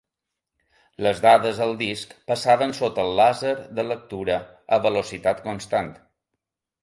Les dades al disc passaven sota el làser de lectura a velocitat constant.